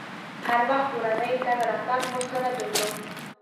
هر وخت کورنۍ تګ راتګ ورسره درلود.